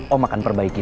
om akan perbaiki